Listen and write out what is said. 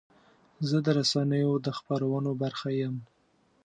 زه د رسنیو د خپرونو برخه یم.